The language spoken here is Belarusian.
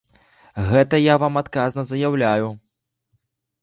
Гэта я вам адказна заяўляю.